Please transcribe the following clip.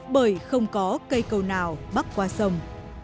bởi không có cây cầu nào bắc qua sông